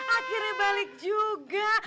akhirnya balik juga